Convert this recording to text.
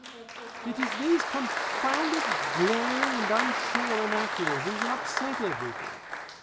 It is these confounded glaring and unshorn anachronisms that upset everything.